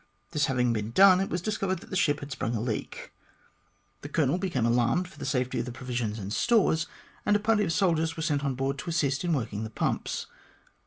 This having been done, it was discovered that the ship had sprung a leak. The Colonel became alarmed for the safety of the provisions and stores, and a party of soldiers were sent on board to assist in working the pumps.